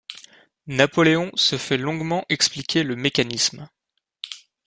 Napoléon se fait longuement expliquer le mécanisme.